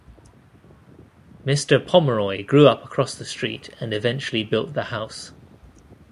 Mister Pomeroy grew up across the street and eventually built the house.